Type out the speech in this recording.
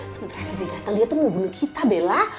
sebenernya dia dateng dia tuh mau bunuh kita bella